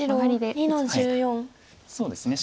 そうですね